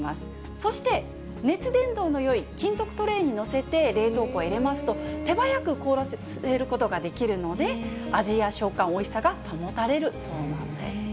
そして熱伝導のよい金属トレーに載せて冷凍庫へ入れますと、手早く凍らせることができるので、味や食感、おいしさが保たれるそうなんです。